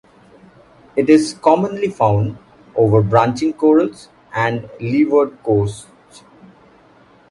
It is commonly found over branching corals and leeward coasts.